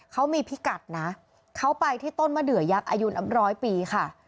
เขามีพิกัสนะเขาไปที่ต้นเมาดื่อยักษ์อายุ๑๐๐ปีค่ะ